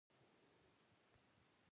الماري د لباسونو رنګ ساتي